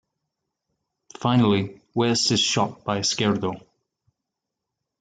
Finally, West is shot by Esquerdo.